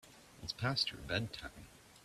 It's past your bedtime.